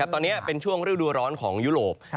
ตอนนี้เป็นช่วงฤดูร้อนของยุโรป